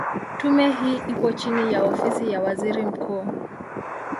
Tume hii ipo chini ya Ofisi ya Waziri Mkuu.